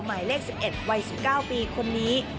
หมายเลข๑๑วัย๑๙ปีคนนี้